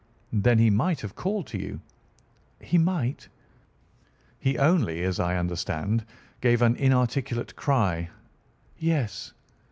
"Then he might have called to you?" "He might." "He only, as I understand, gave an inarticulate cry?" "Yes."